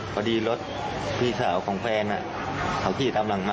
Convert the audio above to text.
พอดีรถพี่สาวของแฟนเขาขี่ตามหลังมา